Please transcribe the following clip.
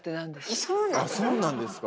あっそうなんですか。